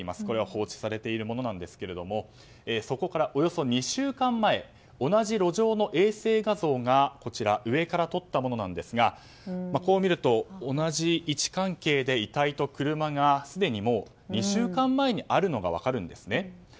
これが放置されているものですがそこからおよそ２週間前同じ路上の衛星画像が上から撮ったものですがこう見ると、同じ位置関係で遺体と車がすでに２週間前にあるのが分かるんですね。